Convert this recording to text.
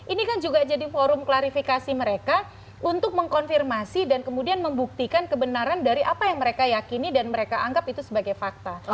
ini kan juga jadi forum klarifikasi mereka untuk mengkonfirmasi dan kemudian membuktikan kebenaran dari apa yang mereka yakini dan mereka anggap itu sebagai fakta